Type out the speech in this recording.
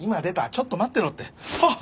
ちょっと待ってろってあっ！